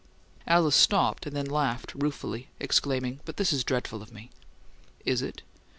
Alice stopped, then laughed ruefully, exclaiming, "But this is dreadful of me!" "Is it?"